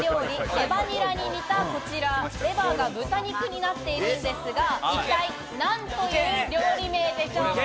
レバニラに似たこちら、レバーが豚肉になっているんですが、一体何という料理名でしょうか。